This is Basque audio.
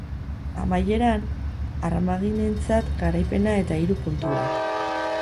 Amaieran, armaginentzat garaipena eta hiru puntuak.